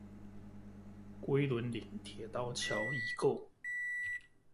龜崙嶺鐵道橋遺構